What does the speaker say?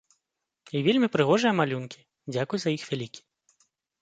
І вельмі прыгожыя малюнкі, дзякуй за іх вялікі.